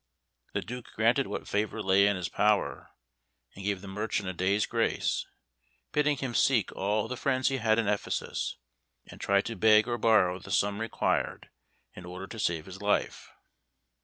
The Duke granted what favour lay in his power, and gave the merchant a day's grace, bidding him seek all the friends he had in Ephesus, and try to beg or borrow the sum required in order to save his life.